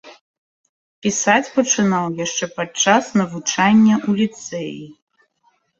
Пісаць пачынаў яшчэ падчас навучання ў ліцэі.